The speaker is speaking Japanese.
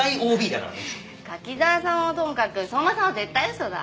柿沢さんはともかく相馬さんは絶対嘘だ。